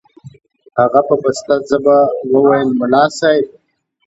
هغه په پسته ژبه وويل ملا صاحب.